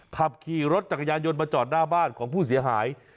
ขับขี่รถจักรยานยนต์มาจอดหน้าบ้านของผู้เสียหาย